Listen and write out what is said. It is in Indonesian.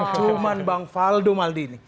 cuman bang faldo maldini